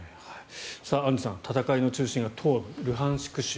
アンジュさん戦いの中心が東部ルハンシク州。